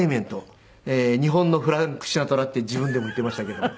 「日本のフランク・シナトラ」って自分でも言っていましたけど。